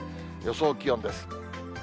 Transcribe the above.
予想気温です。